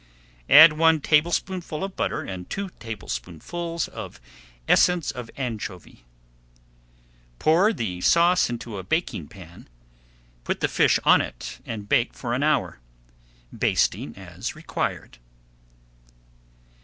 Add one tablespoonful of butter and two tablespoonfuls of essence of anchovy. Pour the sauce into a baking pan, put the fish on it, and bake for an hour, [Page 163] basting as required.